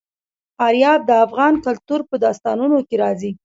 فاریاب د افغان کلتور په داستانونو کې راځي.